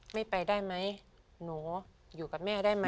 ไม่ไปได้ไหมหนูอยู่กับแม่ได้ไหม